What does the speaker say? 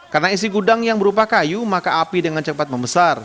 karena isi gudang yang berupa kayu maka api dengan cepat membesar